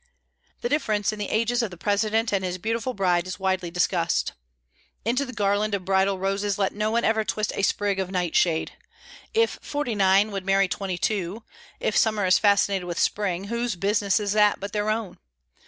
The difference in the ages of the President and his beautiful bride was widely discussed. Into the garland of bridal roses let no one ever twist a sprig of night shade. If 49 would marry 22, if summer is fascinated with spring, whose business is it but their own?